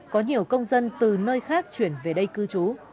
có nhiều công dân từ nơi khác chuyển về đây cư trú